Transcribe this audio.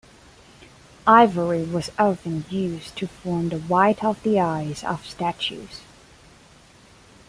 Ivory was often used to form the white of the eyes of statues.